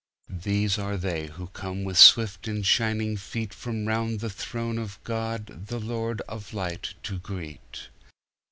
These are they who come with swift and shining feetFrom round about the throne of God the Lord of Light to greet.